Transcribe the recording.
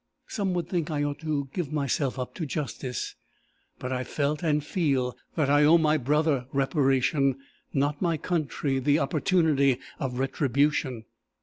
"Some would think I ought to give myself up to justice. But I felt and feel that I owe my brother reparation, not my country the opportunity of retribution.